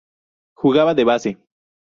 Jugaba de base.